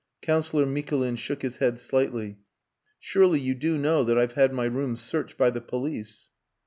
Councillor Mikulin shook his head slightly. "Surely you do know that I've had my rooms searched by the police?"